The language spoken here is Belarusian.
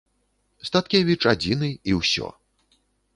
Статкевіч адзіны, і ўсё.